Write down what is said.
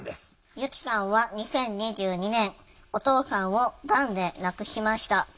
由希さんは２０２２年お父さんをがんで亡くしました。